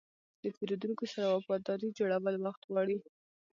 د پیرودونکو سره وفاداري جوړول وخت غواړي.